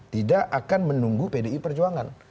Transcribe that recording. tidak akan menunggu pdi perjuangan